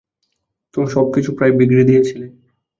তুমি সবকিছু প্রায় বিগড়ে দিয়েছিলে।